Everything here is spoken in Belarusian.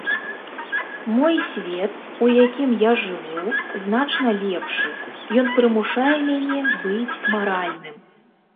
Мой свет, у якім я жыву, значна лепшы, ён прымушае мяне быць маральным.